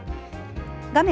画面